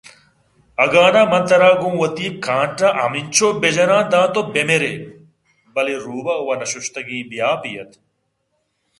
اگاں نا من ترا گوں وتی کانٹاں ہمینچو بِہ جناں داں تو بِہ مِرےبلئے روباہ وَ نہ شُشتگیں بے آپے اَت